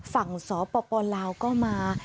ฝั่งสอปปลาวก็มา